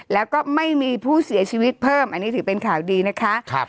แล้วก็ไม่มีผู้เสียชีวิตเพิ่มอันนี้ถือเป็นข่าวดีนะคะ